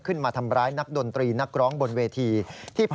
ขึ้นมาทำร้ายนักดนตรีนักร้องบนเวที